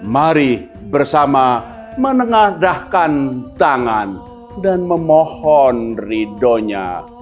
mari bersama menengadahkan tangan dan memohon ridhonya